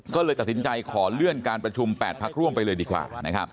ก็เลยตัดสินใจขอเลื่อนการประชุม๘พักร่วมไปเลยดีกว่า